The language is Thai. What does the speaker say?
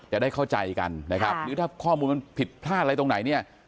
จะได้เข้าใจกันนะครับหรือถ้าข้อมูลมันผิดพลาดอะไรตรงไหนเนี่ย